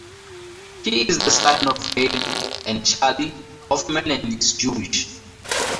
He is the son of Gail and Charlie Hoffman and is Jewish.